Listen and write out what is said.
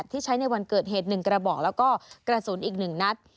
ที่ใช้ในวันเกิดเหตุ๑กระบอกแล้วก็กระสุนอีก๑นัด